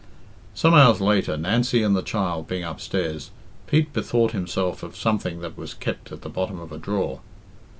Some hours later, Nancy and the child being upstairs, Pete bethought himself of something that was kept at the bottom of a drawer.